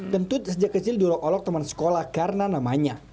tentu sejak kecil diolok olok teman sekolah karena namanya